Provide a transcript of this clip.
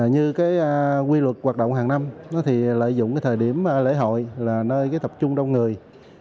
như quy luật hoạt động hàng năm lợi dụng thời điểm lễ hội nơi tập trung đông người